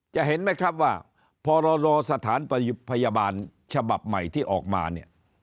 เห็นไหมครับว่าพรสถานพยาบาลฉบับใหม่ที่ออกมาเนี่ย